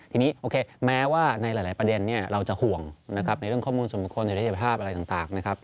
ทีนี้โอเคแม้ว่าในหลายประเด็นเราจะห่วงในเรื่องข้อมูลสมมุติความเศรษฐภาพอะไรต่าง